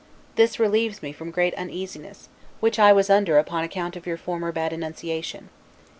This relieves me from great uneasiness, which I was under upon account of your former bad enunciation.